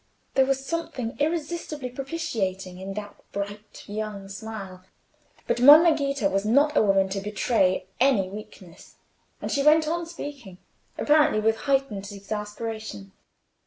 There was something irresistibly propitiating in that bright young smile, but Monna Ghita was not a woman to betray any weakness, and she went on speaking, apparently with heightened exasperation.